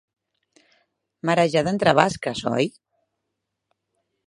Marejada, entre basques, oi?